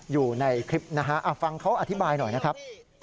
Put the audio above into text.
อยู่ในคลิปนะฮะฟังเขาอธิบายหน่อยนะครับ